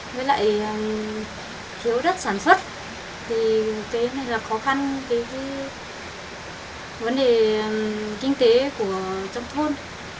với lại thiếu đất sản xuất thì cái này là khó khăn cái vấn đề kinh tế của trong thôn